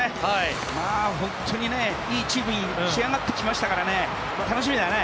本当にいいチームに仕上がってきましたから楽しみだよね！